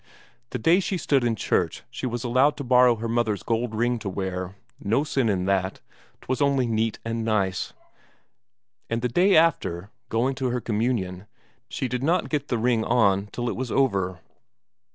The day she stood in church she was allowed to borrow her mother's gold ring to wear; no sin in that, 'twas only neat and nice; and the day after, going to her communion, she did not get the ring on till it was over.